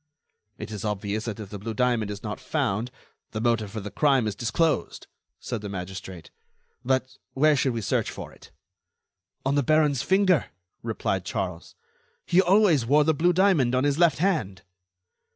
"It is obvious that if the blue diamond is not found, the motive for the crime is disclosed," said the magistrate. "But where should we search for it?" "On the baron's finger," replied Charles. "He always wore the blue diamond on his left hand."